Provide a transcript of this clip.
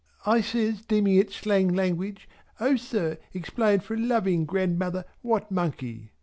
I says deeming it slang language "O sir explain for a loving grandmother what Monkey!"